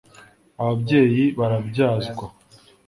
Ababyeyi barabyazwa